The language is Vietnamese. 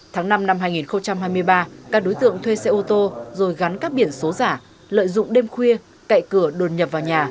tháng năm năm hai nghìn hai mươi ba các đối tượng thuê xe ô tô rồi gắn các biển số giả lợi dụng đêm khuya cậy cửa đồn nhập vào nhà